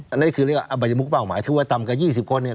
อันนี้คือเรียกว่าอบัยมุกเป้าหมายคือว่าต่ำกว่า๒๐คนเนี่ย